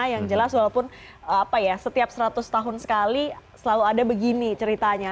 yang jelas walaupun setiap seratus tahun sekali selalu ada begini ceritanya